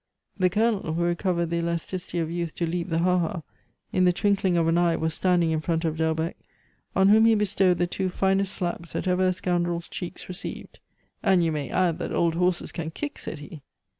The Colonel, who recovered the elasticity of youth to leap the haha, in the twinkling of an eye was standing in front of Delbecq, on whom he bestowed the two finest slaps that ever a scoundrel's cheeks received. "And you may add that old horses can kick!" said he.